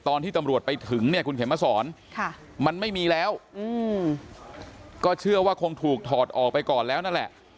ตอนที่ตำรวจไปถึงเนี่ยคุณเข็มมาสอนมันไม่มีแล้วก็เชื่อว่าคงถูกถอดออกไปก่อนแล้วนั่นแหละ